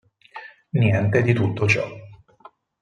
Niente di tutto ciò.